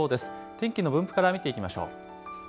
天気の分布から見ていきましょう。